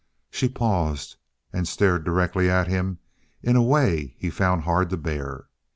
She paused and stared directly at him in a way he found hard to bear.